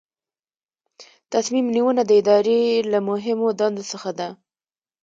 تصمیم نیونه د ادارې له مهمو دندو څخه ده.